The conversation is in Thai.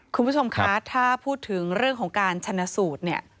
คุณผู้ชมคะถ้าพูดถึงเรื่องของการชนะสูตรเนี่ย